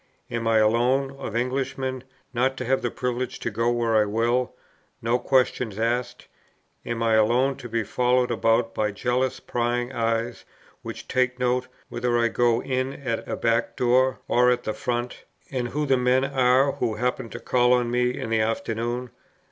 am I alone, of Englishmen, not to have the privilege to go where I will, no questions asked? am I alone to be followed about by jealous prying eyes, which take note whether I go in at a back door or at the front, and who the men are who happen to call on me in the afternoon?